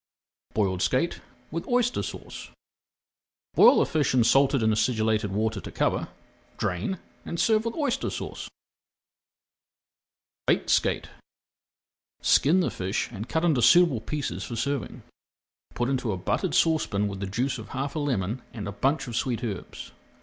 BOILED SKATE WITH OYSTER SAUCE Boil the fish in salted and acidulated water to cover, drain, and serve with Oyster Sauce. BAKED SKATE Skin the fish and cut into suitable pieces for serving. Put into a buttered saucepan with the juice of half a lemon and a bunch of sweet herbs.